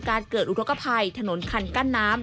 เกิดอุทธกภัยถนนคันกั้นน้ำ